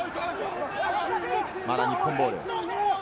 まだ日本ボール。